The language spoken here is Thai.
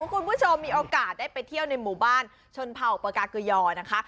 คุณผู้ชมมีโอกาสได้ไปเที่ยวในหมู่บ้านชนเผ่าปากาเกยอนะคะ